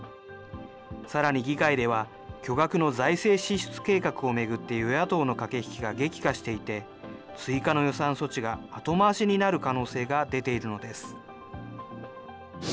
さらに議会では、巨額の財政支出計画を巡って与野党の駆け引きが激化していて、追加の予算措置が後回しになる可能性が出ているのです。